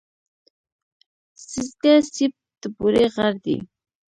سېځگه سېبت د بوري غر دی.